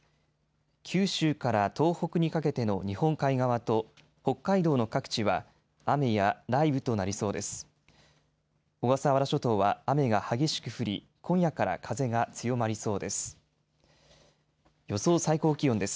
九州から東北にかけての日本海側と北海道の各地は雨や雷雨となりそうです。